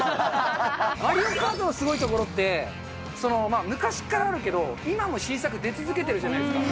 マリオカートのすごいところって、昔からあるけど、今も新作出続けてるじゃないですか。